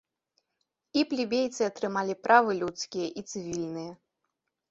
І плебейцы атрымалі правы людскія і цывільныя.